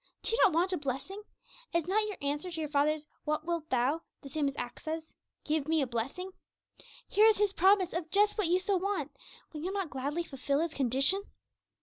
Do you not want a blessing? Is not your answer to your Father's 'What wilt thou?' the same as Achsah's, 'Give me a blessing!' Here is His promise of just what you so want; will you not gladly fulfil His condition?